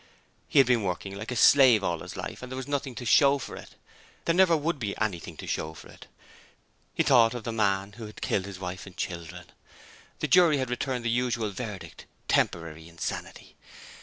He had been working like a slave all his life and there was nothing to show for it there never would be anything to show for it. He thought of the man who had killed his wife and children. The jury had returned the usual verdict, 'Temporary Insanity'.